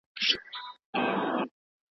د ساینسي پوهې خپرول د ټولنې په ګټه دي.